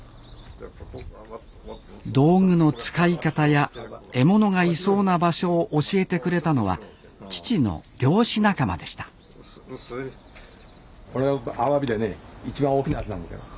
道具の使い方や獲物がいそうな場所を教えてくれたのは父の漁師仲間でしたアワビでね一番大きなやつなんですよ。